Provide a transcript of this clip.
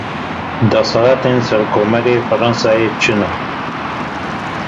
Deshilatên Serokkomarê Fransayê çi ne?